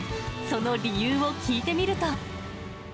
その理由を聞いてみると。